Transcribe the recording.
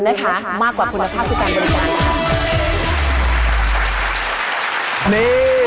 นี้มาลึงกันแล้วสิ